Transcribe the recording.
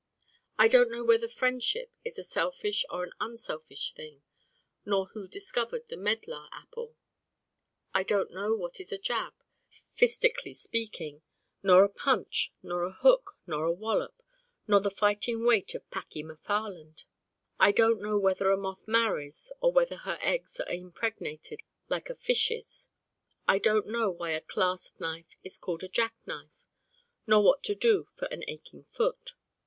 I Don't Know whether friendship is a selfish or an unselfish thing, nor who discovered the medlar apple: I don't know what is a jab, fistically speaking, nor a punch, nor a hook, nor a wallop, nor the fighting weight of Packey McFarland: I don't know whether a moth 'marries' or whether her eggs are impregnated like a fish's: I don't know why a clasp knife is called a jack knife, nor what to do for an aching foot.